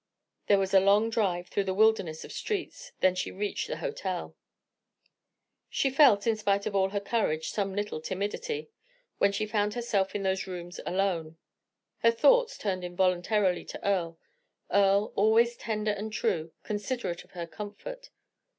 There was a long drive through the wilderness of streets, then she reached the hotel. She felt, in spite of all her courage, some little timidity, when she found herself in those rooms alone. Her thoughts turned involuntarily to Earle Earle, always tender and true, considerate of her comfort.